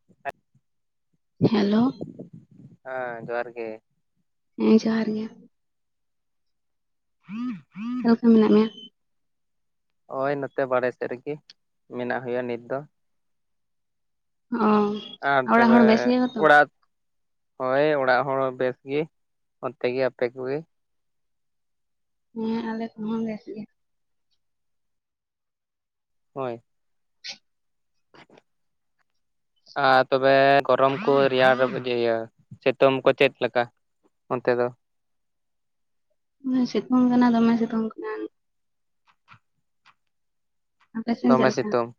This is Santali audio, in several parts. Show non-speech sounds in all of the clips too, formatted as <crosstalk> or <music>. <unintelligible> ᱦᱮᱞᱳ ᱦᱮᱸ ᱡᱚᱦᱟᱨ ᱜᱮ ᱦᱮᱸ ᱡᱚᱦᱟᱨ ᱜᱮ᱾ <inaudible> ᱟᱠᱟ ᱞᱮᱠᱟ ᱢᱮᱱᱟᱜ ᱢᱮᱭᱟ᱾ ᱚᱭ ᱱᱚᱛᱮ ᱵᱟᱲᱮ ᱥᱮᱫ ᱨᱤᱜᱤ ᱢᱮᱱᱟᱜ ᱦᱩᱭᱩᱜᱼᱟ ᱱᱤᱛ ᱫᱚ <unintelligible> ᱟᱨ ᱛᱚᱵᱮ ᱦᱚᱲ ᱵᱮᱥ ᱜᱮᱭᱟ ᱠᱚᱛᱚ ᱚᱲᱟᱜ ᱦᱳᱭ ᱚᱲᱟᱜ ᱦᱚᱲ ᱦᱚᱸ ᱵᱮᱥ ᱜᱮ ᱚᱱᱛᱮ ᱜᱮ ᱟᱯᱮ ᱠᱚ ᱜᱮ᱾ ᱦᱮᱸ ᱟᱞᱮ ᱠᱚ ᱦᱚᱸ ᱵᱮᱥ ᱜᱮ᱾ ᱦᱳᱭ <inaudible> ᱟᱨ ᱛᱚᱵᱮ ᱜᱚᱨᱚᱢ ᱠᱚ ᱨᱮᱭᱟᱲ ᱨᱮ ᱯᱩᱡᱟᱹᱭᱟ ᱥᱤᱛᱩᱢ ᱠᱚ ᱪᱮᱫ ᱞᱮᱠᱟ᱾ ᱚᱱᱛᱮ ᱫᱚ <unintelligible> ᱥᱤᱛᱩᱝ ᱠᱟᱱᱟ ᱫᱚᱢᱮ ᱥᱤᱛᱩᱝ ᱠᱟᱱᱟ᱾ ᱟᱯᱮ ᱥᱮᱧ ᱪᱮᱫ ᱫᱚᱢᱮ ᱞᱮᱠᱟ? ᱥᱤᱛᱩᱝ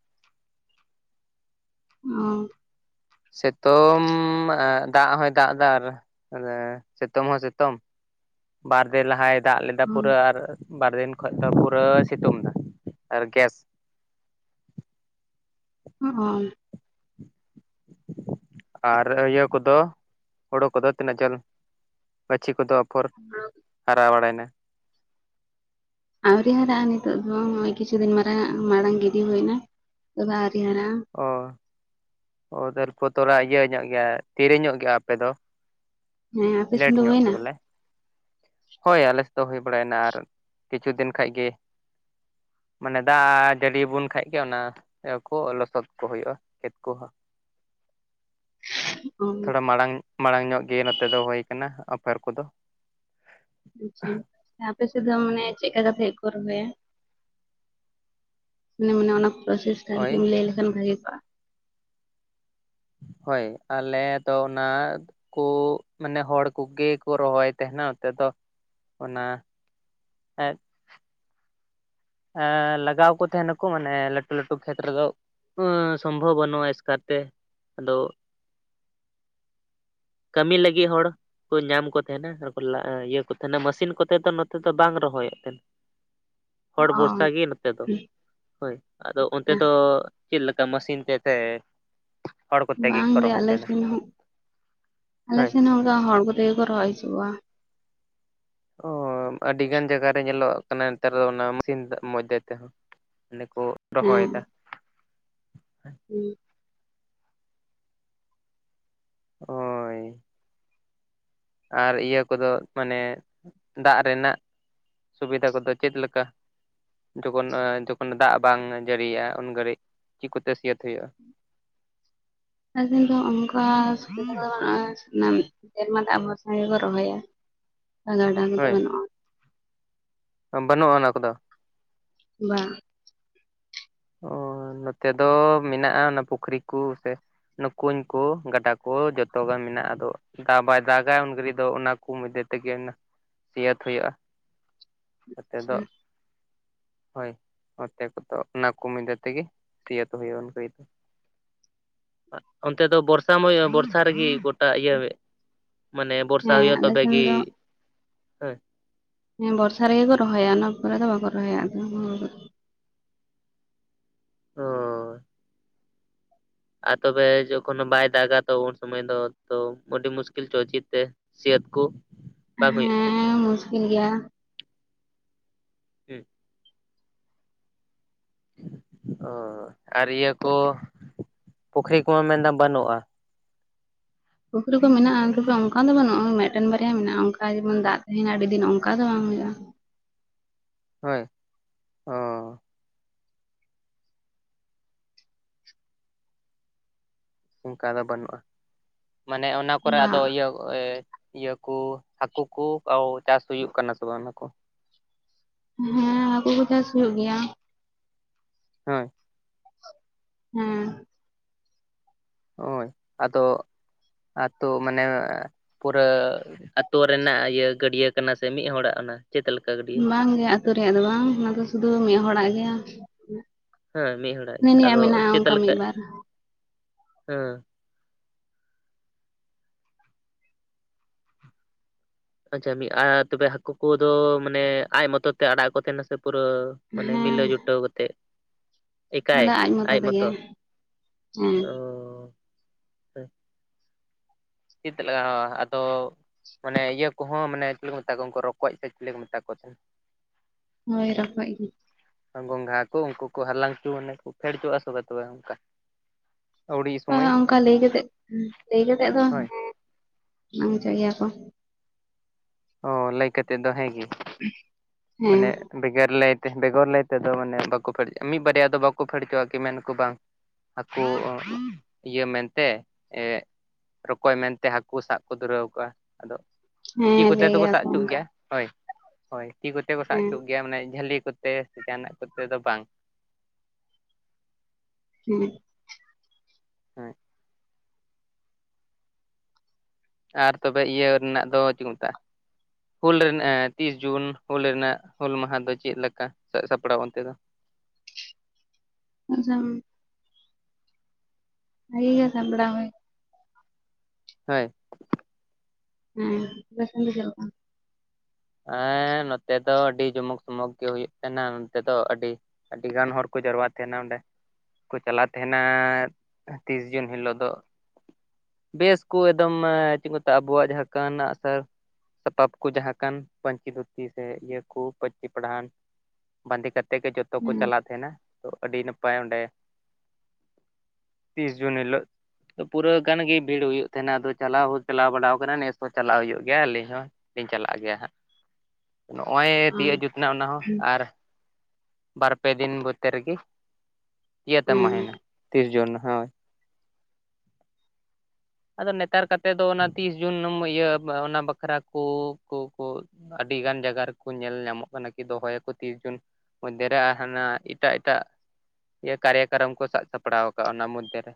ᱚ ᱥᱤᱛᱚᱢ ᱟᱨ ᱫᱟᱜ ᱦᱚᱸᱭ ᱫᱟᱜ ᱫᱟ ᱟᱨ ᱥᱤᱛᱩᱢ ᱦᱚᱸ ᱥᱤᱛᱩᱢ᱾ ᱵᱟᱨ ᱫᱤᱱ ᱞᱟᱦᱟᱭ ᱫᱟᱜ ᱞᱮᱫᱟ ᱚ ᱯᱩᱨᱟᱹ ᱟᱨ ᱵᱟᱨ ᱫᱤᱱ ᱠᱷᱚᱡ ᱫᱚ ᱯᱩᱨᱟᱹᱭ ᱥᱤᱛᱩᱢ ᱫᱟ ᱟᱨ ᱜᱮᱥ᱾ <unintelligible> ᱟᱨ ᱤᱭᱟᱹ ᱠᱚ ᱫᱚ ᱦᱩᱲᱳ ᱠᱚ ᱫᱚ ᱛᱤᱱᱟᱹᱜ ᱡᱷᱟᱞ ᱜᱟᱹᱪᱷᱤ ᱠᱚᱫᱚ ᱟᱯᱷᱚᱨ <inaudible> ᱦᱟᱨᱟ ᱵᱲᱟᱭᱱᱟ ᱾ ᱟᱣᱨᱤ ᱦᱟᱨᱟᱜᱼᱟ᱾ ᱱᱤᱛᱚᱜ ᱫᱚ ᱱᱚᱜ ᱠᱤᱪᱷᱩ ᱫᱤᱱ ᱢᱟᱨᱟᱝ ᱢᱟᱲᱟᱝ ᱜᱤᱰᱤ ᱦᱩᱭ ᱱᱟ ᱛᱚ ᱵᱮ ᱟᱹᱣᱨᱤ ᱦᱟᱨᱟᱜᱼᱟ᱾ ᱚ ᱛᱟᱨᱯᱚᱨ ᱛᱚᱨᱟ ᱤᱭᱟᱹ ᱧᱚᱸᱜ ᱜᱮᱭᱟ᱾ ᱫᱮᱨᱤ ᱧᱚᱜ ᱜᱮᱭᱟ ᱟᱯᱮ ᱫᱚ? ᱦᱮᱸ ᱟᱯᱮ ᱥᱮᱱ ᱞᱮᱴ ᱫᱚ ᱧᱚᱸᱜ ᱜᱮ ᱦᱩᱭᱱᱟ ᱵᱚᱞᱮ᱾ ᱦᱳᱭ ᱟᱞᱮᱥ ᱫᱚ ᱦᱩᱭ ᱵᱟᱲᱟᱭ ᱮᱱᱟ ᱟᱨ ᱠᱤᱪᱷᱩ ᱫᱤᱱ ᱠᱷᱟᱡ ᱜᱮ ᱢᱟᱱᱮ ᱫᱟᱜ ᱡᱟᱹᱲᱤ ᱭᱟᱵᱚᱱ ᱠᱷᱟᱡ ᱜᱮ ᱚᱱᱟ ᱠᱚ ᱥᱚᱠᱛᱚ ᱦᱩᱭᱩᱜᱼᱟ ᱠᱷᱮᱛ ᱠᱚᱦᱚᱸ ᱚ ᱛᱷᱚᱲᱟ ᱢᱟᱲᱟᱝ ᱢᱟᱲᱟᱝ ᱧᱚᱸᱜ ᱜᱮ ᱱᱚᱛᱮ ᱫᱚ ᱦᱩᱭ ᱠᱟᱱᱟ ᱟᱯᱮᱨ ᱠᱚᱫᱚ᱾ ᱟᱪᱟ ᱟᱯᱮ ᱥᱮᱫ ᱫᱚ ᱢᱟᱱᱮ ᱪᱮᱫᱠᱟ ᱠᱟᱛᱮᱜ ᱠᱚ ᱨᱚᱦᱚᱭᱟ᱾ ᱢᱟᱱᱮ ᱢᱟᱱᱮ ᱚᱱᱟ ᱯᱨᱚᱥᱮᱥ ᱠᱟᱹᱢᱤ ᱦᱳᱭ ᱠᱚᱢ ᱞᱟᱹᱭ ᱞᱮᱠᱷᱟᱱ ᱵᱷᱟᱜᱮ ᱠᱚᱜᱼᱟ᱾ ᱦᱳᱭ ᱟᱞᱮ ᱫᱚ ᱚᱱᱟ ᱠᱩᱻ ᱢᱟᱱᱮ ᱦᱚᱲ ᱠᱚᱜᱮ ᱠᱚ ᱨᱚᱦᱚᱭ ᱛᱟᱸᱦᱮᱱᱟ ᱱᱚᱛᱮᱫᱚ ᱚᱱᱟ <unintelligible> ᱮᱸᱻ ᱞᱟᱜᱟᱣ ᱠᱚ ᱛᱟᱦᱮᱸᱱᱟᱠᱚ ᱢᱟᱱᱮ ᱞᱟᱹᱴᱩ ᱞᱟᱹᱴᱩ ᱠᱷᱮᱛ ᱨᱮᱫᱚ᱾ ᱥᱚᱢᱵᱷᱚᱵᱽ ᱵᱟᱹᱱᱩᱜᱼᱟ ᱮᱥᱠᱟᱨ ᱛᱮ ᱟᱫᱚ <inaudible> ᱠᱟᱹᱢᱤ ᱞᱟᱹᱜᱤᱫ ᱦᱚᱲ ᱠᱚ ᱧᱟᱢ ᱠᱚ ᱛᱟᱸᱦᱮ ᱱᱟ ᱟᱨᱠᱚ ᱠᱟ ᱤᱭᱟᱹ ᱠᱚ ᱛᱟᱦᱮᱱᱟ ᱢᱮᱥᱤᱸᱱ ᱠᱚᱛᱮ ᱫᱚ ᱱᱚᱛᱮ ᱫᱚ ᱵᱟᱝ ᱨᱚᱦᱚᱭᱚᱜ ᱛᱟᱦᱮᱫ᱾ ᱦᱚᱲ ᱵᱷᱚᱨᱥᱟ ᱜᱮ ᱱᱚᱸᱛᱮ ᱫᱚ ᱦᱳᱭ ᱟᱫᱚ ᱚᱱᱛᱮ ᱚ ᱫᱚ ᱪᱮᱫ ᱞᱮᱠᱟ ᱢᱮᱥᱤᱸᱱ ᱛᱮᱥᱮ ᱵᱟᱝ ᱜᱮ ᱟᱞᱮ ᱥᱮᱱ ᱦᱚᱸ ᱟᱞᱮ ᱦᱳᱭ ᱥᱮᱱ ᱦᱚᱸ ᱚᱱᱠᱟ ᱦᱚᱲ ᱠᱚᱛᱮᱜᱮ ᱠᱚ ᱨᱚᱦᱚᱭ ᱦᱪᱩᱜ ᱠᱩᱣᱟ᱾ ᱚ ᱟᱹᱰᱤ ᱜᱟᱱ ᱡᱟᱭᱜᱟ ᱨᱮ ᱧᱮᱸᱞᱚᱜ ᱠᱟᱱᱟ ᱱᱮᱸᱛᱟᱨ ᱫᱚ ᱚᱱᱟ ᱢᱮᱥᱤᱸᱱ ᱢᱚᱫᱽᱫᱷᱮ ᱛᱮᱦᱚᱸ ᱢᱟᱱᱮ ᱠᱚ ᱨᱚᱦᱚᱭᱮᱫᱟ᱾ ᱦᱩᱸᱻ ᱦᱳᱭ ᱟᱨ ᱤᱭᱟᱹ ᱠᱚᱫᱚ ᱢᱟᱱᱮ ᱫᱟᱜ ᱨᱮᱱᱟᱜ ᱥᱩᱵᱤᱫᱷᱟ ᱠᱚᱫᱚ ᱪᱮᱫ ᱞᱮᱠᱟ? ᱡᱚᱠᱷᱚᱱ ᱮ ᱡᱚᱠᱷᱚᱱ ᱫᱟᱜ ᱵᱟᱝ ᱡᱟᱹᱲᱤᱭᱟᱜᱼᱟ ᱩᱱ ᱜᱷᱟᱹᱲᱤᱡ ᱪᱮᱫ ᱠᱚᱛᱮ ᱥᱤᱭᱟᱹᱛ ᱦᱩᱭᱩᱜᱼᱟ᱾ ᱮᱠᱚᱱᱛᱳ ᱚᱱᱠᱟ ᱥᱩᱵᱤᱫᱟ ᱠᱚ ᱫᱚ ᱵᱟᱹᱱᱩᱜ-ᱟ᱾ ᱚᱱᱟ ᱥᱮᱨᱢᱟ ᱫᱟᱜ ᱵᱚᱨᱥᱟ ᱜᱮᱵᱚᱱ ᱨᱚᱦᱚᱭᱟ ᱜᱟᱰᱟ ᱠᱚᱫᱚ ᱦᱳᱭ ᱵᱟᱹᱱᱩᱜᱼᱟ᱾ ᱵᱟᱹᱱᱩᱜᱼᱟ ᱚᱱᱟ ᱠᱚᱫᱚ᱾ ᱵᱟᱝᱻ ᱚ ᱱᱚᱛᱮ ᱫᱚ ᱢᱮᱱᱟᱜᱼᱟ ᱚᱱᱟ ᱯᱩᱠᱷᱨᱤ ᱠᱚ ᱥᱮ ᱠᱩᱸᱧ ᱠᱚ ᱜᱟᱰᱟ ᱠᱚ ᱡᱚᱛᱚ ᱜᱮ ᱢᱮᱱᱟᱜᱼᱟ ᱟᱫᱚ ᱫᱟᱜ ᱵᱟᱭ ᱫᱟᱜᱟ ᱩᱱ ᱜᱷᱟᱹᱲᱤᱡ ᱫᱚ ᱚᱱᱟ ᱠᱚ ᱢᱚᱫᱽᱫᱷᱮ ᱛᱮᱜᱮ ᱥᱤᱭᱟᱹᱛ ᱦᱩᱭᱩᱜᱼᱟ᱾ ᱱᱚᱸᱛᱮ ᱫᱚ ᱦᱳᱭ ᱱᱚᱛᱮ ᱠᱚᱫᱚ᱾ ᱚᱱᱟ ᱠᱚ ᱢᱤᱫᱟᱹ ᱛᱮᱜᱮ ᱥᱤᱭᱟᱹᱛ ᱦᱩᱭᱩᱜᱼᱟ ᱫᱚ ᱚᱱᱛᱮ ᱫᱚ ᱵᱚᱨᱥᱟᱢ ᱦᱳᱭᱳᱜ ᱵᱚᱨᱥᱟ ᱨᱮᱜᱮ ᱜᱚᱴᱟ ᱤᱭᱟᱹ ᱦᱳᱭᱳᱜ ᱾ ᱢᱟᱱᱮ ᱵᱚᱨᱥᱟ ᱦᱮᱸ ᱦᱩᱭᱩᱜᱼᱟ ᱟᱞᱮ ᱛᱚᱵᱮ ᱥᱮᱱ ᱠᱤ ᱫᱚ ᱦᱮᱸ ᱦᱮᱸ ᱵᱚᱨᱥᱟ ᱨᱮᱜᱮ ᱠᱚ ᱨᱚᱦᱚᱭᱟ ᱚᱱᱟ ᱯᱚᱨᱮ ᱫᱚ ᱵᱟᱠᱚ ᱨᱚᱦᱚᱭᱟ ᱚᱻ ᱟᱨ ᱛᱚᱵᱮ ᱡᱚᱠᱷᱚᱱᱳ ᱵᱟᱭ ᱫᱟᱜᱟ ᱛᱚ ᱩᱱ ᱥᱚᱢᱚᱭ ᱫᱚ ᱛᱚ ᱟᱹᱰᱤ ᱢᱩᱥᱠᱤᱞ ᱪᱚ ᱩᱪᱤᱛ ᱛᱮ ᱥᱤᱭᱟᱹᱛ ᱠᱚ ᱵᱟᱝ ᱦᱩᱭᱩᱜ ᱛᱮ ᱢᱤᱫ ᱜᱮᱭᱟ ᱾ ᱮ ᱚ ᱟᱨ ᱤᱭᱟᱹ ᱠᱚ ᱯᱩᱠᱷᱨᱤ ᱠᱚᱢᱟ ᱢᱮᱱᱫᱟᱢ ᱵᱟᱹᱱᱩᱜᱼᱟ ᱾ ᱯᱩᱠᱷᱨᱤ ᱠᱚ ᱢᱮᱱᱟᱜᱼᱟ ᱛᱚᱵᱮ ᱚᱱᱠᱟ ᱫᱚ ᱵᱟᱱᱩᱜᱼᱟ ᱢᱮᱫ ᱴᱮᱱ ᱵᱟᱨᱭᱟ ᱢᱮᱱᱟᱜᱼᱟ ᱚᱱᱠᱟ ᱡᱮᱢᱚᱱ ᱫᱟᱜ ᱛᱟᱦᱮᱱᱟ ᱟᱹᱰᱤ ᱫᱤᱱ ᱚᱱᱠᱟ ᱫᱚ ᱵᱟᱝ ᱦᱩᱭᱩᱜᱼᱟ ᱾ ᱦᱳᱭ ᱚᱻ ᱚᱱᱠᱟ ᱫᱚ ᱵᱟᱹᱱᱩᱜᱼᱟ ᱢᱟᱱᱮ ᱚᱱᱟ ᱠᱚᱨᱮ ᱟᱫᱚ ᱵᱟᱝ ᱤᱭᱟᱹ ᱮ ᱤᱭᱟᱹᱠᱩ ᱦᱟᱠᱩ ᱠᱩ ᱪᱟᱥ ᱦᱩᱭᱩᱜ ᱠᱟᱱᱟ ᱥᱮ ᱵᱟᱝ ᱚᱱᱟ ᱠᱚ? ᱦᱮᱸ ᱦᱟᱹᱠᱩ ᱠᱚ ᱪᱟᱥ ᱦᱩᱭᱩᱜ ᱜᱮᱭᱟ ᱾ ᱦᱳᱭ ᱾ ᱦᱮᱸ ᱾ ᱦᱳᱭ ᱟᱫᱚ ᱟᱛᱳ ᱢᱟᱱᱮ ᱯᱩᱨᱟᱹ ᱟᱛᱳ ᱨᱮᱱᱟᱜ ᱤᱭᱟᱹ ᱜᱟᱹᱰᱭᱟᱹ ᱠᱟᱱᱟ ᱥᱮ ᱢᱤᱫ ᱦᱚᱲᱟᱜ ᱚᱱᱟ ᱪᱮᱫ ᱞᱮᱠᱟ? ᱜᱟᱹᱰᱭᱟᱹ ᱵᱟᱝ ᱜᱮ ᱟᱹᱛᱩ ᱨᱮᱭᱟᱜ ᱫᱚ ᱵᱟᱝ ᱚᱱᱟ ᱫᱚ ᱥᱩᱫᱩ ᱢᱤᱫ ᱦᱚᱲᱟᱜ ᱜᱮᱭᱟ ᱾ ᱦᱮᱸ ᱢᱤᱫ ᱦᱚᱲᱟᱜ ᱦᱮᱸ ᱟᱫᱚ ᱪᱮᱫ ᱞᱮᱠᱟ ᱵᱟᱨ ᱦᱮᱸ ᱟᱪᱪᱷᱟ ᱢᱤᱫ ᱟᱨ ᱛᱚᱵᱮ ᱦᱟᱹᱠᱩ ᱠᱚᱫᱚ ᱢᱟᱱᱮ ᱟᱡ ᱢᱚᱛᱚ ᱛᱮ ᱟᱲᱟᱜ ᱠᱚ ᱛᱟᱦᱮᱱᱟ ᱥᱮ ᱯᱩᱨᱟᱹ ᱢᱟᱱᱮ ᱢᱤᱞᱟᱹᱣ ᱦᱮᱸ ᱡᱩᱴᱟᱹᱣ ᱠᱟᱛᱮᱜ ᱮᱠᱟᱭ ᱟᱡ ᱢᱚᱛᱚ ᱦᱮᱸ ᱚᱻ <unintelligible> ᱟᱫᱚ ᱢᱟᱱᱮ ᱤᱭᱟᱹ ᱠᱚᱦᱚᱸ ᱢᱟᱱᱮ ᱪᱤᱞᱤ ᱠᱚ ᱢᱮᱛᱟ ᱠᱚᱣᱟ ᱩᱱᱠᱩ ᱨᱚᱠᱚᱡ ᱥᱮ ᱪᱤᱞᱤ ᱠᱚ ᱢᱮᱛᱟ ᱠᱚ ᱛᱟᱦᱮᱱ? ᱦᱳᱭ ᱨᱚᱠᱚᱡ ᱜᱮ ᱾ ᱜᱚᱸᱜᱷᱟ ᱠᱩ ᱩᱱᱠᱩ ᱠᱩ ᱦᱟᱞᱟᱝ ᱩᱪᱩ ᱢᱟᱱᱮ ᱠᱩ ᱯᱷᱮᱰ ᱦᱚᱪᱚᱣᱟ ᱥᱮ ᱵᱟ ᱛᱚᱵᱮ ᱚᱱᱠᱟ? ᱟᱹᱣᱲᱤ ᱵᱟᱝᱟ ᱥᱚᱢᱚᱭ ᱚᱱᱠᱟ ᱞᱟᱹᱭ ᱠᱟᱛᱮᱫ ᱞᱟᱹᱭ ᱠᱟᱛᱮᱫ ᱫᱚ ᱦᱮᱸ ᱦᱳᱭ ᱦᱟᱞᱟᱝ ᱦᱚᱪᱚᱭ ᱜᱮᱭᱟ ᱠᱚ ᱾ ᱚ ᱞᱟᱹᱭ ᱠᱟᱛᱮᱫ ᱫᱚ ᱦᱮᱸ ᱜᱤ, ᱦᱮᱸ ᱢᱟᱱᱮ ᱵᱮᱜᱟᱨ ᱞᱟᱹᱭᱛᱮ ᱵᱮᱜᱚᱨ ᱞᱟᱹᱭ ᱛᱮᱫᱚ ᱢᱟᱱᱮ ᱵᱟᱠᱩ ᱯᱷᱮᱰ ᱦᱚᱪᱚᱣᱟ, ᱢᱤᱫ ᱵᱟᱨᱭᱟ ᱫᱚ ᱵᱟᱠᱚ ᱯᱷᱮᱰ ᱦᱚᱪᱚᱣᱟᱜᱼᱟ ᱠᱤ ᱢᱮᱱᱟᱠᱩ ᱵᱟᱝ ᱾ ᱦᱟᱹᱠᱩ ᱤᱭᱟᱹ ᱢᱮᱱᱛᱮ ᱮ ᱨᱚᱠᱚᱡ ᱢᱮᱱᱛᱮ ᱦᱟᱹᱠᱩ ᱥᱟᱵ ᱠᱚ ᱫᱷᱩᱨᱟᱹᱣ ᱠᱚᱜᱼᱟ, ᱟᱫᱚ ᱛᱤ ᱦᱮᱸ ᱠᱚᱛᱮ ᱞᱟᱹᱭ ᱫᱚᱠᱚ ᱜᱮᱭᱟ ᱥᱟᱵ ᱠᱚ ᱚᱪᱩ ᱚᱱᱠᱟ ᱜᱮᱭᱟ ᱾ ᱦᱳᱭ ᱦᱳᱭ ᱛᱤ ᱠᱚᱛᱮ ᱠᱚ ᱥᱟᱵ ᱦᱮᱸ ᱚᱪᱚᱜ ᱜᱮᱭᱟ ᱢᱟᱱᱮ ᱡᱷᱟᱹᱞᱤ ᱠᱚᱛᱮ ᱥᱮ ᱡᱟᱦᱟᱱᱟᱜ ᱠᱚᱛᱮ ᱫᱚ ᱵᱟᱝ ᱾ ᱦᱮᱸ ᱾ ᱦᱮᱸ ᱾ ᱟᱨ ᱛᱚᱵᱮ ᱤᱭᱟᱹ ᱨᱮᱱᱟᱜ ᱫᱚ ᱪᱮᱫ ᱠᱩ ᱢᱮᱛᱟᱜᱼᱟ? ᱦᱩᱞ ᱨᱮᱱᱟᱜ ᱛᱤᱥ ᱡᱩᱱ ᱦᱩᱞ ᱨᱮᱱᱟᱜ ᱦᱩᱞ ᱢᱟᱦᱟ ᱫᱚ ᱪᱮᱫ ᱞᱮᱠᱟ ᱥᱟᱹᱛ ᱥᱟᱯᱲᱟᱣ ᱚᱱᱛᱮ ᱫᱚ? <unintelligible> ᱵᱷᱟᱜᱤ ᱜᱮ ᱥᱟᱵ ᱵᱟᱲᱟ ᱦᱳᱭ ᱦᱳᱭ ᱾ ᱦᱮᱸ ᱟᱯᱮ ᱥᱮᱱ ᱫᱚ ᱪᱮᱫ ᱞᱮᱠᱟ? ᱦᱮᱸ ᱱᱚᱛᱮ ᱫᱚ ᱟᱹᱰᱤ ᱡᱚᱢᱚᱠ ᱥᱚᱢᱚᱠ ᱜᱮ ᱦᱩᱭᱩᱜ ᱠᱟᱱᱟ ᱱᱚᱱᱛᱮ ᱫᱚ ᱟᱹᱰᱤ ᱟᱹᱰᱤ ᱜᱟᱱ ᱦᱚᱲ ᱠᱚ ᱡᱟᱨᱣᱟ ᱛᱟᱦᱮᱱᱟ ᱚᱸᱰᱮ ᱾ ᱠᱩ ᱪᱟᱞᱟᱜ ᱛᱟᱦᱮᱱᱟᱻ ᱛᱤᱥ ᱡᱩᱱ ᱦᱤᱞᱳᱜ ᱫᱚ ᱾ ᱵᱮᱥ ᱠᱩ ᱮᱠᱫᱚᱢ ᱪᱮᱫ ᱠᱚ ᱢᱮᱛᱟᱜ-ᱟ ᱟᱵᱩᱣᱟᱜ ᱡᱟᱦᱟ ᱠᱟᱱ ᱟᱸᱜᱼᱥᱟᱨ ᱾ ᱥᱟᱛᱟᱯ ᱠᱚ ᱡᱟᱦᱟᱸ ᱠᱟᱱ ᱯᱟᱹᱧᱪᱤ ᱫᱷᱩᱛᱤ ᱥᱮ ᱤᱭᱟᱹ ᱠᱚ ᱯᱟᱹᱧᱪᱤ ᱯᱟᱲᱦᱟᱱ ᱵᱟᱸᱫᱤ ᱠᱟᱛᱮ ᱜᱮ ᱡᱚᱛᱚ ᱠᱚ ᱦᱮᱸ ᱪᱟᱞᱟᱜ ᱛᱟᱦᱮᱱᱟ ᱛᱚ ᱟᱹᱰᱤ ᱱᱟᱯᱟᱭ ᱚᱸᱰᱮ ᱾ ᱛᱤᱥ ᱡᱩᱱ ᱦᱤᱞᱳᱜ ᱯᱩᱨᱟᱹ ᱜᱟᱱ ᱜᱮ ᱵᱷᱤᱲ ᱦᱩᱭᱩᱜ ᱛᱮᱦᱮᱱᱟ ᱟᱫᱚ ᱪᱟᱞᱟᱣ ᱦᱚᱸ ᱪᱟᱞᱟᱣ ᱵᱟᱲᱟ ᱟᱠᱟᱱᱟ ᱱᱮᱥ ᱦᱚᱸ ᱪᱟᱞᱟᱣ ᱦᱩᱭᱩᱜ ᱜᱮᱭᱟ ᱟᱞᱮ ᱦᱚᱸ ᱾ ᱞᱤᱧ ᱪᱟᱞᱟᱜ ᱜᱮᱭᱟ ᱦᱟᱸᱜ, ᱱᱚᱜ-ᱚᱭ ᱦᱮᱸ ᱛᱤᱭᱳᱜ ᱡᱩᱛᱱᱟ ᱚᱱᱟ ᱦᱚᱸ ᱟᱨ ᱵᱟᱨᱯᱮ ᱫᱤᱱ ᱵᱷᱤᱛᱨᱤ ᱨᱮᱜᱮ, ᱤᱭᱟᱹᱛᱮ ᱢᱟᱦᱱᱟ ᱛᱤᱥ ᱡᱩᱱ ᱦᱳᱭ ᱟᱫᱚ ᱱᱮᱛᱟᱨ ᱠᱟᱛᱮ ᱫᱚ ᱚᱱᱟ ᱛᱤᱥ ᱡᱩᱱ ᱤᱭᱟᱹ ᱚᱱᱟ ᱵᱟᱠᱷᱨᱟ ᱠᱩ ᱠᱩ ᱟᱹᱰᱤ ᱜᱟᱱ ᱡᱟᱭᱜᱟ ᱨᱮᱠᱚ ᱧᱮᱞ ᱧᱟᱢᱚᱜ ᱠᱟᱱᱟ ᱠᱤ ᱫᱚᱦᱚᱭ ᱟᱠᱚ ᱛᱤᱥ ᱡᱩᱱ ᱢᱚᱫᱽᱫᱷᱮ ᱨᱮ ᱦᱟᱱᱟ, ᱮᱴᱟᱜ ᱮᱴᱟᱜ ᱤᱭᱟᱹ ᱠᱟᱨᱭᱟ ᱠᱟᱨᱚᱢ ᱠᱚ ᱥᱟᱵ ᱥᱟᱯᱲᱟᱣ ᱟᱠᱟᱫ, ᱚᱱᱟ ᱢᱚᱫᱽᱫᱷᱮ ᱨᱮ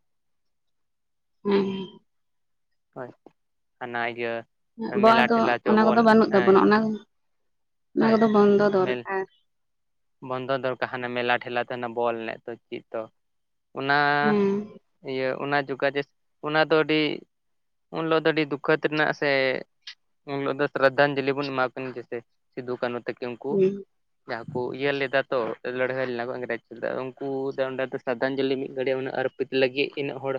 ᱦᱮᱸ᱾ ᱦᱳᱭ, ᱚᱱᱟ ᱤᱭᱟᱹ ᱟᱵᱚᱣᱟᱜ ᱢᱮᱞᱟ ᱫᱚ ᱴᱷᱮᱞᱟ ᱪᱚ ᱚᱱᱟ ᱠᱚᱫᱚ ᱵᱚᱞ ᱵᱟᱹᱱᱩᱜ ᱦᱮᱸ ᱛᱟᱵᱚᱱᱟ᱾ ᱚᱱᱟ ᱚᱱᱟ ᱦᱳᱭ ᱠᱚᱫᱚ ᱵᱚᱱᱫᱚ ᱢᱮᱞ ᱫᱚᱨᱠᱟᱨ ᱵᱚᱱᱫᱚ ᱫᱚᱨᱠᱟᱨ ᱦᱟᱱᱮ ᱢᱮᱞᱟ ᱴᱷᱮᱞᱟ, ᱛᱮᱱᱟᱜ ᱵᱚᱞ ᱮᱱᱮᱡ ᱫᱚ ᱪᱤᱫ ᱫᱚ? ᱚᱱᱟ ᱦᱮᱸ ᱤᱭᱟᱹ ᱚᱱᱟ ᱡᱩᱜᱟ ᱡᱟᱥᱛᱤ, ᱚᱱᱟ ᱫᱚ ᱟᱹᱰᱤ ᱩᱱ ᱦᱤᱞᱚᱜ ᱫᱚ ᱟᱹᱰᱤ ᱫᱩᱠᱷᱟᱹᱛ ᱨᱮᱱᱟᱜ ᱥᱮ ᱩᱱᱤᱞᱚᱜ ᱫᱚ ᱥᱨᱚᱫᱷᱚᱧᱡᱚᱞᱤ ᱵᱚᱱ ᱮᱢᱟ ᱠᱤᱱ ᱡᱮᱥᱮ᱾ ᱥᱤᱫᱩ ᱠᱟᱱᱦᱩ ᱛᱟᱹᱠᱤ ᱩᱱᱠᱩ ᱦᱮᱸ ᱡᱟᱦᱟᱸ ᱠᱚ ᱤᱭᱟᱹ ᱞᱮᱫᱟ ᱛᱚ, ᱞᱟᱹᱲᱦᱟᱹᱭ ᱞᱮᱱᱟ ᱠᱚ ᱤᱝᱨᱮᱡᱽ ᱞᱟᱹᱜ <unintelligible> ᱩᱱᱠᱩ ᱫᱚ ᱚᱸᱰᱮ ᱫᱚ ᱥᱟᱨᱫᱟᱧᱡᱚᱞᱤ ᱢᱤᱫ ᱜᱷᱟᱹᱲᱤᱡ ᱩᱱᱟᱹᱜ ᱟᱨ ᱟᱹᱯᱤᱛ ᱞᱟᱹᱜᱤᱫ ᱛᱤᱱᱟᱹᱜ ᱦᱚᱲ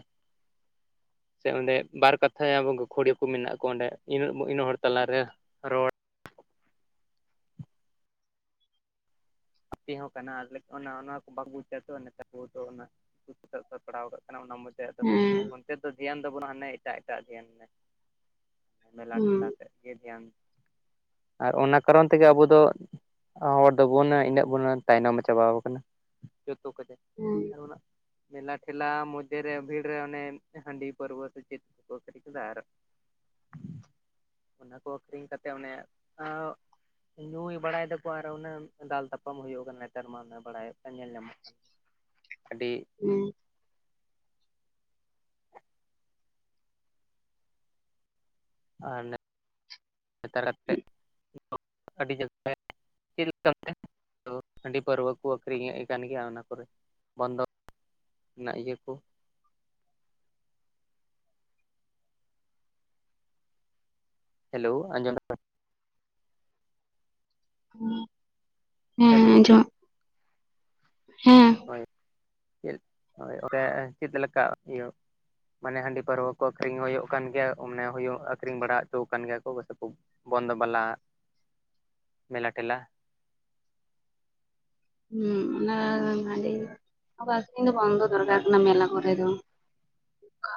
ᱥᱮ ᱚᱸᱰᱮ ᱵᱟᱨ ᱠᱟᱛᱷᱟᱭ ᱟᱵᱚ ᱜᱟᱹᱠᱷᱩᱲᱤᱭᱟᱹ ᱠᱚ ᱢᱮᱱᱟᱜ ᱠᱚ, ᱚᱸᱰᱮᱹ ᱤᱱᱟᱹᱜ ᱦᱚᱲ ᱛᱟᱞᱟᱨᱮ ᱨᱚᱲ ᱟᱯᱮ ᱦᱚᱸ ᱠᱟᱱᱟ ᱟᱞᱮ ᱚᱱᱟ ᱠᱚ ᱵᱟᱠᱚ ᱵᱩᱡ ᱫᱟ ᱛᱚ ᱱᱮᱛᱟᱨ ᱠᱚ ᱚᱱᱟ ᱥᱟᱵᱽ ᱥᱟᱯᱲᱟᱣ ᱠᱟᱜ ᱠᱟᱱᱟ ᱚᱱᱟ ᱢᱚᱡᱽ <unintelligible> ᱫᱚ, ᱦᱮᱸ ᱚᱱᱛᱮ ᱫᱚ ᱫᱷᱮᱭᱟᱱ ᱫᱚ ᱵᱟᱹᱱᱩᱜ ᱟ, ᱦᱟᱱᱮ ᱮᱴᱟᱜ ᱮᱴᱟᱜ ᱫᱷᱭᱟᱱᱮ ᱢᱮ ᱢᱮᱞᱟ ᱦᱮᱸ ᱴᱷᱮᱞᱟ ᱥᱮᱡ᱾ <unintelligible> ᱟᱨ ᱚᱱᱟ ᱠᱟᱨᱚᱱ ᱛᱮᱜᱮ ᱟᱵᱚ ᱫᱚ ᱦᱚᱲ ᱫᱚᱵᱚᱱ ᱤᱱᱟᱹᱜ ᱵᱚᱱ ᱛᱟᱭᱱᱚᱢ ᱪᱟᱵᱟ ᱟᱠᱟᱱᱟ᱾ ᱡᱚᱛᱚ ᱠᱚᱛᱮ ᱦᱳᱸᱭ᱾ ᱢᱮᱞᱟ-ᱴᱷᱮᱞᱟ ᱢᱚᱡᱮ ᱨᱮ ᱵᱷᱤᱲ ᱨᱮ ᱚᱱᱮ ᱦᱟᱺᱰᱤ ᱯᱟᱹᱨᱣᱟᱹ ᱥᱮ ᱪᱮᱫ? <unintelligible> ᱟᱨ ᱚᱱᱟ ᱠᱚ ᱟᱹᱠᱷᱨᱤᱧ ᱠᱟᱛᱮᱜ ᱚᱱᱮ, ᱟᱹᱣ ᱧᱩᱭ ᱵᱟᱲᱟᱭ ᱫᱟᱠᱚ ᱟᱨ ᱚᱱᱟᱹᱜ ᱫᱟᱞ ᱛᱟᱯᱟᱢ ᱧᱟᱯᱟᱢ ᱦᱩᱭᱩᱜ ᱠᱟᱱ, ᱱᱮᱛᱟᱨ ᱢᱟ ᱚᱱᱮ ᱵᱟᱲᱟᱭᱚᱜ ᱠᱟᱱ ᱧᱮᱞ ᱧᱟᱢᱚᱜ ᱠᱟᱱ᱾ ᱟᱹᱰᱤ ᱦᱮᱸ᱾ ᱟᱨ ᱱᱮᱜ ᱱᱮᱛᱟᱨ ᱠᱟᱛᱮᱜ ᱟᱹᱰᱤ <unintelligible> ᱪᱮᱜ ᱞᱮᱠᱟ ᱚᱱᱛᱮ? ᱦᱟᱺᱰᱤ ᱯᱟᱹᱨᱣᱟᱹ ᱠᱚ ᱟᱹᱠᱷᱨᱤᱧᱮᱜ ᱠᱟᱱ ᱜᱤᱭᱟ ᱚᱱᱟ ᱠᱚᱨᱮ? ᱵᱚᱱᱫᱚ <unintelligible> ᱱᱟᱜ ᱤᱭᱟᱹ ᱠᱚ᱾ ᱦᱮᱞᱳ ᱟᱡᱚᱢᱮᱜ? <inaudible> ᱦᱮᱸ ᱦᱮᱞᱳ ᱟᱸᱡᱚᱢᱚᱜ ᱦᱮᱸ᱾ ᱦᱳᱭ, ᱚᱸᱰᱮ ᱪᱮᱫᱽ ᱞᱮᱠᱟ ᱤᱭᱳ? ᱢᱟᱱᱮ ᱦᱟᱺᱰᱤ ᱯᱟᱹᱨᱣᱟᱹ ᱠᱚ ᱟᱹᱠᱷᱨᱤᱧ ᱦᱩᱭᱩᱜ ᱠᱟᱱ ᱜᱮᱭᱟ, ᱢᱟᱱᱮ ᱦᱩᱭᱩᱸᱜ ᱟᱹᱠᱷᱨᱤᱧ ᱵᱟᱲᱟ ᱚᱪᱚ ᱠᱟᱱ ᱜᱮᱭᱟ ᱠᱚ ᱜᱚᱥᱛᱚ ᱠᱚ? ᱵᱚᱱᱫᱚ ᱵᱟᱞᱟ, ᱢᱮᱞᱟ ᱴᱷᱮᱞᱟ᱾ ᱦᱩᱸᱜ, ᱚᱱᱟᱻᱝ ᱦᱟᱺᱰᱤ ᱟᱫᱚ ᱟᱹᱠᱷᱨᱤᱧ ᱫᱚ ᱵᱟᱱᱫᱽ ᱫᱚᱨᱠᱟᱨ ᱦᱮᱸ ᱠᱟᱱᱟ ᱢᱮᱞᱟ ᱠᱚᱨᱮ ᱫᱚ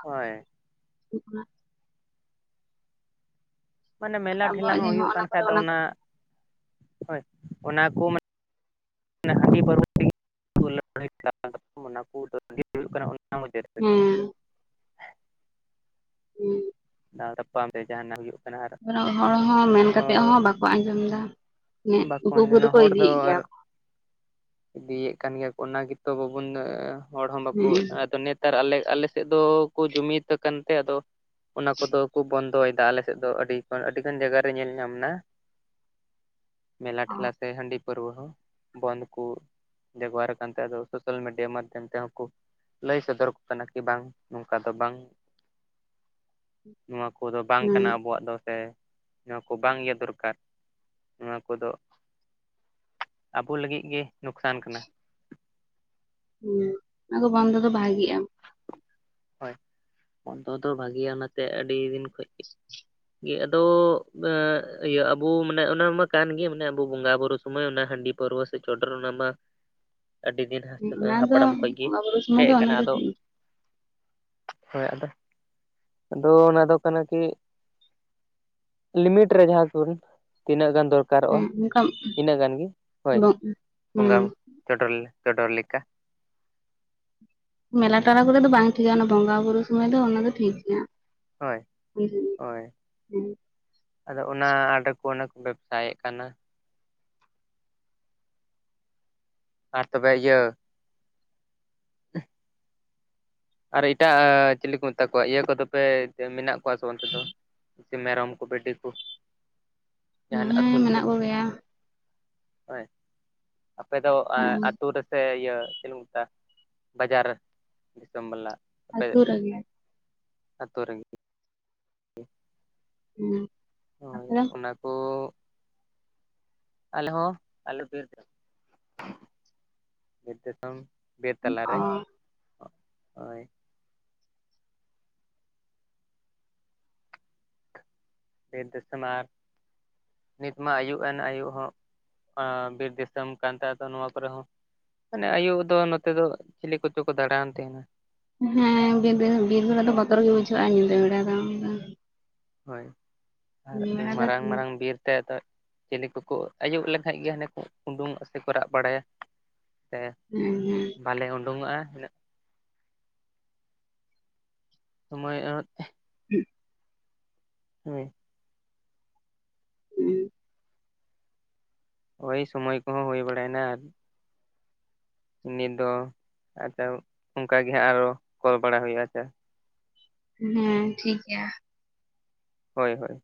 ᱦᱳᱭ᱾ <unintelligible> ᱢᱟᱱᱮ ᱟᱨ ᱢᱮᱞᱟ ᱴᱷᱮᱞᱟ ᱟᱵᱚᱣᱟᱜ ᱦᱚᱸ ᱡᱮ ᱦᱚᱸᱜ ᱦᱩᱭᱩᱜ ᱚᱱᱟ ᱠᱟᱱ ᱠᱚᱨᱮ ᱠᱷᱟᱹᱡ ᱫᱚ ᱠᱚ ᱚᱱᱟ ᱦᱳᱭ, ᱚᱱᱟ ᱠᱚ ᱢᱟ ᱚᱱᱮ ᱦᱟᱺᱰᱤ ᱯᱟᱹᱨᱣᱟᱹ ᱛᱮᱜᱮ <unintelligible> <unintelligible> ᱚᱱᱟ ᱠᱚ <unintelligible> ᱦᱩᱭᱩᱜ ᱠᱟᱱᱟ, ᱚᱱᱟ ᱢᱩᱫᱷᱮ ᱦᱮᱸ ᱛᱮᱜᱮ <unintelligible> ᱫᱟᱞ ᱛᱟᱯᱟᱢ ᱛᱮ ᱡᱟᱦᱟᱱᱟᱜ ᱦᱩᱭᱩᱜ᱾ ᱠᱟᱱᱟ ᱟᱨ ᱦᱚᱲ ᱦᱚᱸ ᱢᱮᱱ ᱠᱟᱛᱮᱜ ᱦᱚᱸ ᱵᱟᱠᱚ ᱟᱸᱡᱚᱢ ᱫᱟ, ᱵᱟᱠᱚ ᱩᱠᱩ ᱩᱠᱩ ᱟᱸᱡᱚᱢᱟ ᱛᱮᱠᱚ ᱦᱚᱲ ᱫᱚ ᱤᱫᱤᱭᱮᱫ ᱟᱨ ᱜᱮᱭᱟ ᱠᱚ᱾ ᱤᱫᱤᱭᱮᱫ ᱠᱟᱱ ᱜᱮᱭᱟ ᱠᱚ ᱚᱱᱟ ᱜᱮᱛᱚ ᱵᱟᱵᱚᱱ ᱦᱚᱲ ᱦᱚᱸ ᱵᱟᱠᱚ ᱦᱮᱸ ᱟᱫᱚ ᱱᱮᱛ ᱱᱮᱛᱟᱨ ᱟᱞᱮ ᱟᱞᱮᱥᱮᱫ ᱫᱚ ᱠᱚ ᱡᱩᱢᱤᱫ ᱠᱟᱱ ᱛᱮ ᱟᱫᱚ, ᱚᱱᱟ ᱠᱚᱫᱚ ᱠᱚ ᱵᱚᱱᱫᱚᱭᱮᱫᱟ ᱟᱞᱮ ᱥᱮᱫ ᱫᱚ ᱟᱹᱰᱤ ᱟᱹᱰᱤᱜᱟᱱ ᱡᱟᱭᱜᱟᱨᱮ ᱧᱮᱞ ᱧᱟᱢ ᱱᱟ᱾ ᱢᱮᱞᱟ ᱴᱷᱮᱞᱟ ᱥᱮ ᱦᱟᱺᱰᱤ ᱯᱟᱹᱨᱣᱟᱹ ᱦᱚᱸ ᱵᱚᱱᱫᱽ ᱠᱚ, ᱵᱮᱵᱦᱟᱨ ᱠᱟᱱᱛᱮ ᱟᱫᱚ ᱥᱳᱥᱭᱟᱞ ᱢᱤᱰᱤᱭᱟ ᱢᱟᱫᱽᱭᱚᱢ ᱛᱮ ᱦᱚᱸ ᱠᱩ᱾ ᱞᱟᱹᱭ ᱥᱚᱫᱚᱨ ᱟᱠᱚ ᱠᱟᱱᱟ ᱠᱤ ᱵᱟᱝ ᱱᱚᱝᱠᱟ ᱫᱚ ᱵᱟᱝ᱾ ᱱᱚᱣᱟ ᱠᱚᱫᱚ ᱵᱟᱝ ᱦᱮᱸ ᱠᱟᱱᱟ ᱟᱵᱚᱣᱟᱜ ᱫᱚ ᱥᱮ? ᱱᱚᱣᱟ ᱠᱚ ᱵᱟᱝ ᱜᱮ ᱫᱚᱨᱠᱟᱨ ᱱᱚᱣᱟ ᱠᱚᱫᱚ᱾ ᱟᱵᱚ ᱞᱟᱹᱜᱤᱜ ᱜᱮ ᱱᱩᱠᱥᱟᱱ ᱠᱟᱱᱟ᱾ ᱦᱩᱸ, ᱟᱫᱚ ᱵᱚᱱᱫᱚ ᱫᱚ ᱵᱷᱟᱜᱤᱜᱼᱟ᱾ ᱦᱳᱭ, ᱵᱚᱱᱫᱚ ᱫᱚ ᱵᱷᱟᱜᱮᱭᱟ ᱚᱱᱟᱛᱮ ᱟᱹᱰᱤ ᱫᱤᱱ ᱠᱷᱚᱡ, ᱜᱮ᱾ ᱟᱫᱚ ᱮ ᱤᱭᱟᱹ ᱟᱵᱚ ᱢᱟᱱᱮ ᱚᱱᱟ ᱢᱟ ᱠᱟᱱ ᱜᱮ ᱢᱟᱱᱮ ᱟᱵᱚ ᱵᱚᱸᱜᱟ ᱵᱩᱨᱩ, ᱥᱚᱢᱚᱭ ᱚᱱᱟ ᱦᱟᱺᱰᱤ ᱯᱟᱹᱨᱣᱟᱹ ᱥᱮ ᱪᱚᱰᱚᱨ ᱚᱱᱟᱢᱟ, ᱟᱹᱰᱤ ᱫᱤᱱ ᱚᱱᱟ ᱫᱚ ᱠᱷᱚᱡ ᱜᱮ ᱵᱚᱸᱜᱟ ᱵᱩᱨᱩ ᱥᱚᱢᱚᱭ ᱦᱮᱡ ᱫᱚ ᱚᱱᱟ ᱟᱠᱟᱱᱟ ᱫᱚ ᱟᱫᱚ ᱦᱳᱭ ᱟᱫᱚ, ᱟᱫᱚ ᱚᱱᱟ ᱫᱚ ᱠᱟᱱᱟ ᱠᱤ, ᱞᱤᱢᱤᱴ ᱨᱮ ᱡᱟᱦᱟᱸ ᱠᱚᱱ, ᱛᱤᱱᱟᱹᱜ ᱜᱟᱱ ᱫᱚᱨᱠᱟ ᱫᱚᱨᱠᱟᱨᱚᱜ-ᱟ ᱦᱮᱸ ᱚᱱᱠᱟ ᱦᱮᱸ ᱤᱱᱟᱹᱜ ᱜᱟᱱ ᱜᱮ ᱦᱳᱭ, ᱵᱚᱸᱜᱟ ᱪᱚᱰᱚᱨ ᱪᱚᱰᱚᱨ ᱞᱮᱠᱟ᱾ ᱢᱮᱞᱟ ᱴᱚᱞᱟ ᱦᱩᱸ ᱠᱚᱨᱮᱫ ᱫᱚ ᱵᱟᱝ ᱴᱷᱤᱠᱟ ᱚᱱᱟ ᱵᱚᱸᱜᱟ ᱵᱩᱨᱩ ᱥᱚᱢᱚᱭ ᱫᱚ ᱚᱱᱟ ᱫᱚ ᱴᱷᱤᱠ ᱜᱮᱭᱟ᱾ ᱦᱳᱭ, ᱦᱮᱸ ᱦᱳᱭ᱾ ᱟᱫᱚ ᱚᱱᱟ ᱟᱫᱚ ᱠᱚ ᱚᱱᱮ ᱠᱚ ᱵᱮᱵᱥᱟᱭᱮᱫ ᱠᱟᱱᱟ᱾ ᱟᱨ ᱛᱚᱵᱮ ᱤᱭᱟᱹ, <inaudible> ᱟᱨ ᱮᱴᱟᱜ ᱪᱤᱞᱤ ᱠᱚ ᱢᱮᱛᱟ ᱠᱚᱣᱟ, ᱤᱭᱟᱹ ᱠᱚᱫᱚ ᱯᱮ ᱢᱮᱱᱟᱜ ᱠᱚᱣᱟ ᱥᱮ ᱚᱱᱛᱮ ᱫᱚ? ᱮ ᱢᱮᱨᱚᱢ ᱠᱚ ᱵᱷᱤᱰᱤ ᱠᱚ, ᱡᱟᱦᱱᱟᱜ ᱦᱮᱸ ᱟᱹᱥᱩᱞ ᱠᱚ᱾ ᱢᱮᱱᱟᱜ ᱠᱚᱜᱮᱭᱟ ᱦᱳᱭ, ᱟᱯᱮ ᱫᱚ ᱦᱮᱸ ᱟᱹᱛᱩ ᱨᱮᱥᱮ ᱤᱭᱟᱹ <unintelligible> ᱵᱟᱡᱟᱨ ᱨᱮ? ᱜᱟᱢᱞᱟ, ᱟᱛᱳ ᱨᱮᱜᱮ᱾ ᱟᱛᱳ ᱨᱮᱜᱮ᱾ ᱦᱩᱸ, ᱦᱳᱭ ᱚᱱᱟ, ᱛᱚ ᱟᱞᱮ ᱦᱚᱸ, ᱟᱞᱮ ᱵᱤᱨ ᱵᱤᱨ ᱫᱤᱥᱚᱢ ᱵᱤᱨ ᱛᱟᱞᱟ ᱨᱮ, ᱚ ᱦᱳᱭ᱾ ᱵᱤᱨ ᱫᱤᱥᱚᱢ ᱟᱨ, ᱱᱤᱛ ᱢᱟ ᱟᱹᱭᱩᱵ ᱮᱱ ᱟᱹᱭᱩᱵ ᱦᱚᱸ, ᱵᱤᱨ ᱫᱤᱥᱚᱢ ᱠᱟᱱ ᱟᱫᱚ ᱱᱚᱣᱟ ᱠᱚᱨᱮ ᱦᱚᱸ, ᱢᱟᱱᱮ ᱟᱹᱭᱩᱵ ᱫᱚ ᱱᱚᱛᱮ ᱫᱚ ᱪᱤᱞᱤ ᱠᱚᱪᱚ ᱠᱚ ᱫᱟᱬᱟᱣᱟᱱ ᱛᱟᱦᱮᱸᱱᱟ᱾ ᱦᱮᱸ ᱵᱤᱨ, ᱵᱤᱨ ᱵᱮᱲᱟ ᱫᱚ ᱵᱚᱛᱚᱨ ᱜᱮ ᱵᱩᱡᱷᱟᱹᱜ-ᱟ ᱧᱤᱫᱟᱹ ᱵᱮᱲᱟ ᱫᱚ᱾ ᱦᱳᱭ, ᱟᱨ ᱵᱮᱲᱟ ᱫᱚ ᱢᱟᱨᱟᱝ ᱢᱟᱨᱟᱝ ᱵᱤᱨᱛᱮ ᱟᱫᱚ, ᱪᱮᱞᱤ ᱠᱚᱠᱚ ᱟᱭᱩᱵ ᱞᱮᱱᱠᱟᱡ ᱜᱮ ᱦᱟᱱᱮ ᱠᱚ ᱩᱰᱩᱝ ᱟ ᱥᱮᱠᱚ ᱨᱟᱜ ᱵᱟᱲᱟᱭᱟ᱾ ᱥᱮ, ᱦᱩᱸ ᱦᱩᱸ, ᱵᱟᱞᱮ ᱩᱰᱚᱝᱚᱜ-ᱟ ᱩᱱᱟᱹᱜ᱾ ᱥᱚᱢᱚᱭ <unintelligible> <unintelligible> ᱦᱳᱭ᱾ <unintelligible> ᱦᱳᱭ ᱥᱚᱢᱚᱭ ᱠᱚᱦᱚᱸ ᱦᱩᱭ ᱵᱟᱲᱟᱭᱱᱟ ᱟᱨ᱾ ᱩᱱᱤ ᱫᱚ ᱟᱪᱪᱷᱟ ᱚᱱᱠᱟ ᱜᱮ ᱦᱟᱸᱜ ᱟᱨᱚ ᱠᱚᱞ ᱵᱟᱲᱟ ᱦᱩᱭᱩᱜ-ᱟ ᱟᱪᱪᱷᱟ᱾ ᱦᱮᱸ ᱴᱷᱤᱠ ᱜᱮᱭᱟ᱾ ᱦᱳᱭ ᱦᱳᱭ᱾